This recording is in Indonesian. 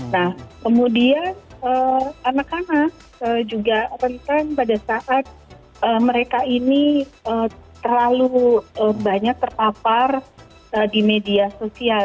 nah kemudian anak anak juga rentan pada saat mereka ini terlalu banyak terpapar di media sosial